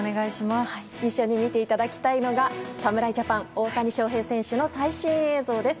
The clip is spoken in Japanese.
一緒に見ていただきたいのが侍ジャパン大谷翔平選手の最新映像です。